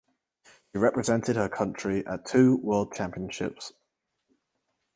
She represented her country at two World Championships.